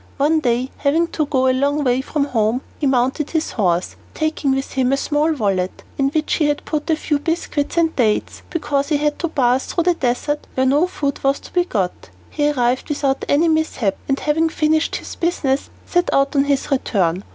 One day, having to go a long way from home, he mounted his horse, taking with him a small wallet in which he had put a few biscuits and dates, because he had to pass through the desert where no food was to be got. He arrived without any mishap, and, having finished his business, set out on his return.